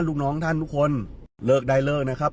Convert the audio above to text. ลูกน้องท่านทุกคนเลิกได้เลิกนะครับ